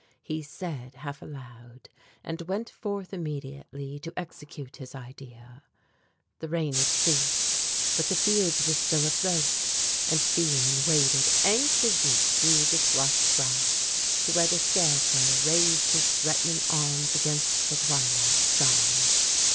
he said half aloud, and went forth immediately to execute his idea. The rain had ceased, but the fields were still afloat, and Phelan waded ankle deep through the slush grass, to where the scarecrow raised his threatening arms against the twilight sky.